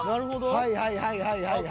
はいはいはいはい。